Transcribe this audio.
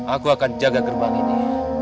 aku akan jaga gerbang ini